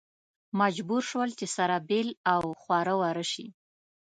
مجبور شول چې سره بېل او خواره واره شي.